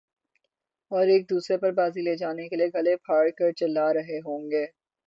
اور ایک دوسرے پر بازی لے جانے کیلئے گلے پھاڑ کر چلا رہے ہوں گے